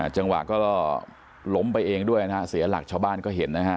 จังหวะก็ล้มไปเองด้วยนะฮะเสียหลักชาวบ้านก็เห็นนะฮะ